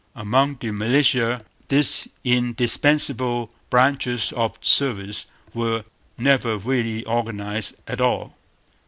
Among the militia these indispensable branches of the service were never really organized at all.